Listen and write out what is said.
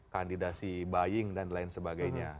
kandidasi buying dan lain sebagainya